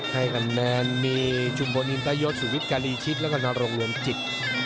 ให้กันแมนมีจุมพลอินเตอร์ยดสุวิทย์การีชิตแล้วก็นารงรวมจิต